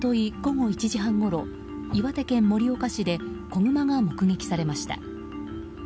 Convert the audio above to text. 一昨日午後１時半ごろ岩手県盛岡市で子グマが目撃されました。